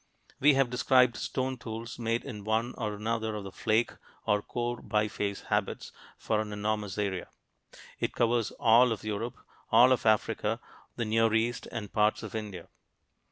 We have described stone tools made in one or another of the flake and core biface habits, for an enormous area. It covers all of Europe, all of Africa, the Near East, and parts of India.